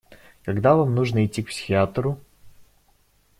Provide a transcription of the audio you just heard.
Когда вам нужно идти к психиатру?